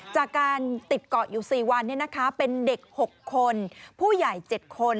จากการติดเกาะอยู่๔วันเป็นเด็ก๖คนผู้ใหญ่๗คน